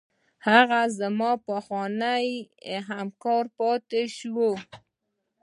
هغه زما پخوانی همکار پاتې شوی.